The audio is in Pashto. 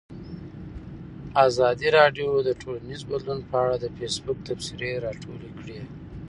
ازادي راډیو د ټولنیز بدلون په اړه د فیسبوک تبصرې راټولې کړي.